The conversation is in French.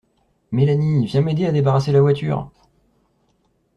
Mélanie, viens m’aider à débarrasser la voiture!